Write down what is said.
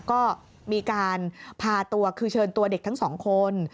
ก็มีการพาตัวคือเชิญตัวเด็กทั้งสองคน